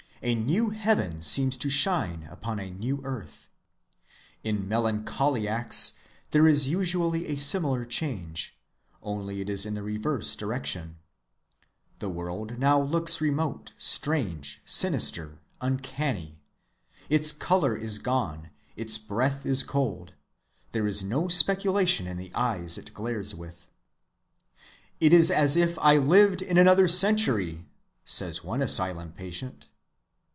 A new heaven seems to shine upon a new earth. In melancholiacs there is usually a similar change, only it is in the reverse direction. The world now looks remote, strange, sinister, uncanny. Its color is gone, its breath is cold, there is no speculation in the eyes it glares with. "It is as if I lived in another century," says one asylum patient.